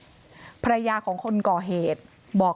นายพิรายุนั่งอยู่ติดกันแบบนี้นะคะ